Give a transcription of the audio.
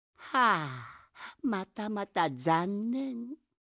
あまたまたざんねん。